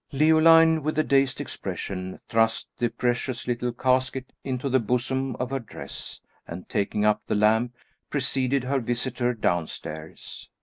Leoline, with a dazed expression, thrust the precious little casket into the bosom of her dress, and taking up the lamp, preceded her visitor down stairs.